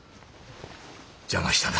邪魔したな。